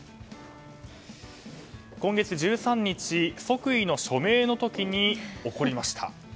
今月１３日即位の署名の時に起こりました。